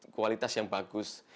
kualitas yang bagus